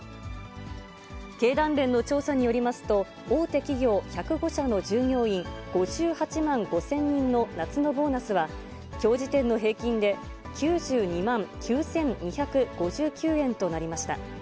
経団連の調査によりますと、大手企業１０５社の従業員５８万５０００人の夏のボーナスは、きょう時点の平均で、９２万９２５９円となりました。